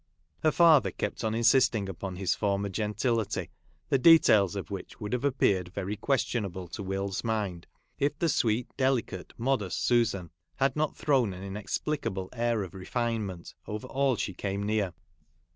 Her father kept on insisting upon liis former gentility, the details of which would have appeared very questionable to Will's mind, if the sweet, delicate, modest Susan had not thrown an inexplicable air of refinement over all she came near.